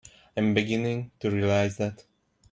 I'm beginning to realize that.